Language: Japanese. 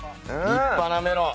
立派なメロン。